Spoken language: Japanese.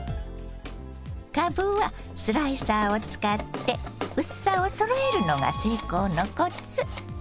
かぶはスライサーを使って薄さをそろえるのが成功のコツ。